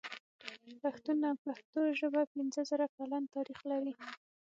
پښتون او پښتو ژبه پنځه زره کلن تاريخ لري.